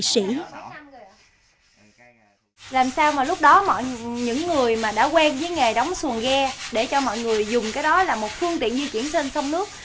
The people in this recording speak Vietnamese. làm sao mà lúc đó những người mà đã quen với nghề đóng xuồng ghe để cho mọi người dùng cái đó là một phương tiện di chuyển trên sông nước